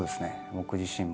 僕自身も。